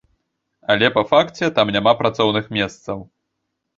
Але па факце, там няма працоўных месцаў.